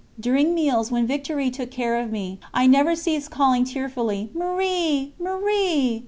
During meals, when Victoire took care of me, I never ceased calling tearfully "Marie! Marie!"